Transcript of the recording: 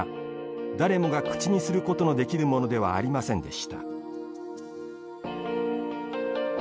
誰もが口にすることのできるものではありませんでした。